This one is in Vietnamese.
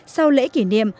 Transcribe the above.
sau lễ kỷ niệm